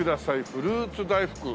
フルーツ大福。